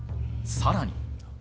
さらに。